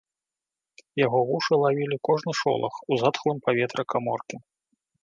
Яго вушы лавілі кожны шолах у затхлым паветры каморкі.